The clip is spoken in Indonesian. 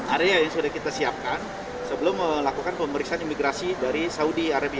area yang sudah kita siapkan sebelum melakukan pemeriksaan imigrasi dari saudi arabia